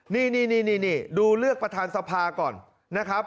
นี่ดูเลือกประธานสภาก่อนนะครับ